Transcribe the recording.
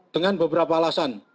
dengan beberapa alasan